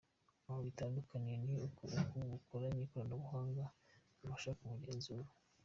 Aho bitandukaniye ni uko ubw’ubu bukoranye ikoranabuhanga ribasha no kubugenzura.